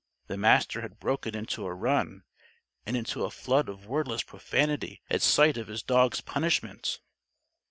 The Master had broken into a run and into a flood of wordless profanity at sight of his dog's punishment.